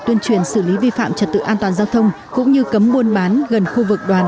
tuyên truyền xử lý vi phạm trật tự an toàn giao thông cũng như cấm buôn bán gần khu vực đoàn